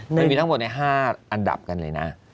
มันมีทั้งหมดใน๕อันดับกันเลยนะ